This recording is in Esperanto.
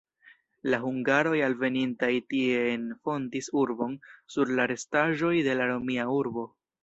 La hungaroj alvenintaj tien fondis urbon, sur la restaĵoj de la romia urbo.